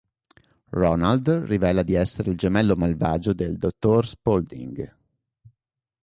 Ronald rivela di essere il gemello malvagio del Dr. Spaulding.